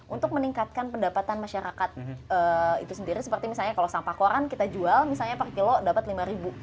untuk meningkatkan pendapatan masyarakat itu sendiri seperti misalnya kalau sampah koran kita jual misalnya per kilo dapat rp lima